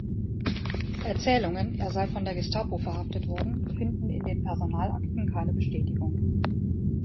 Erzählungen, er sei von der Gestapo verhaftet worden, finden in den Personalakten keine Bestätigung.